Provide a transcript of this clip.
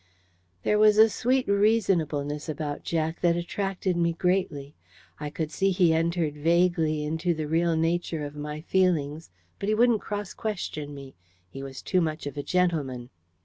There was a sweet reasonableness about Jack that attracted me greatly. I could see he entered vaguely into the real nature of my feelings. But he wouldn't cross question me: he was too much of a gentleman.